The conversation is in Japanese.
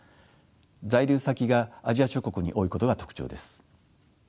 在留先がアジア諸国に多いことが特徴です。